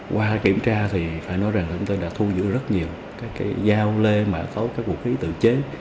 qua kiểm tra thì phải nói rằng chúng tôi đã thu giữ rất nhiều các giao lê mạ tấu các vũ khí tự chế